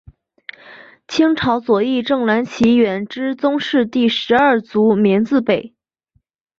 清朝左翼正蓝旗远支宗室第十二族绵字辈。